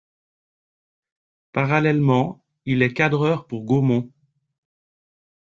Parallèlement il est cadreur pour Gaumont.